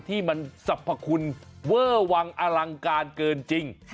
ที่มันสรรพคุณเวอร์วังอลังการเกินจริง